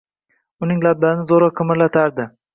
Uni lablarini zo’rg’a qimirlatardi.